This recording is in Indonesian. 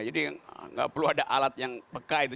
jadi enggak perlu ada alat yang peka itu